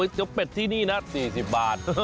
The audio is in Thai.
เจ้าเป็ดที่นี่นะ๔๐บาท